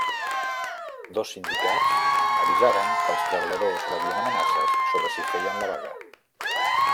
Dos sindicats avisaren que els treballadors rebien amenaces sobre si feien la vaga.